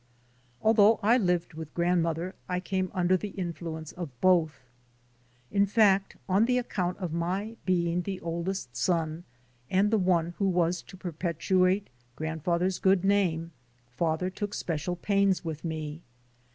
Although I lived with grandmother I came under the influence of both. In fact, on account of my being the eldest son and the one who was to perpetuate grandfather's good name, father took special pains with me.